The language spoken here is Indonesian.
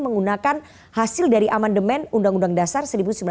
menggunakan hasil dari amandemen undang undang dasar seribu sembilan ratus empat puluh